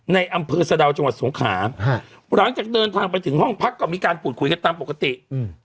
ในอำเภอสะดาวจังหวัดสงขาหลังจากเดินทางไปถึงห้องพักก็มีการพูดคุยกันตามปกติอืม